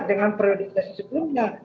dengan prioritas sebelumnya